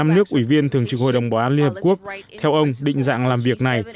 năm nước ủy viên thường trực hội đồng bảo an liên hợp quốc theo ông định dạng làm việc này